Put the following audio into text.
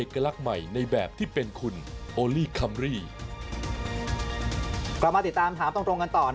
กลับมาติดตามถามตรงกันต่อ